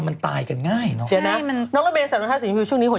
มันใส่หลายฝนเหรอ